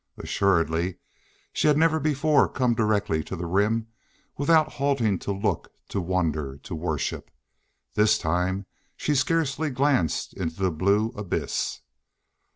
Assuredly she had never before come directly to the Rim without halting to look, to wonder, to worship. This time she scarcely glanced into the blue abyss.